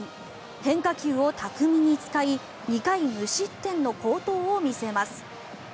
変化球を巧みに使い２回無失点の好投を見せます。